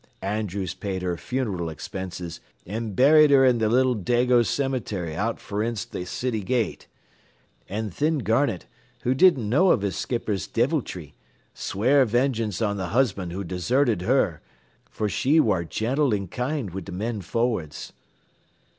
Andrews paid her funeral expenses, an' buried her in th' little Dago cemetery out forninst th' city gate. An' thin Garnett, who didn't know av his skipper's diviltry, sware vengeance on th' husband who deserted her, fer she ware gentil and kind wid th' men forrads."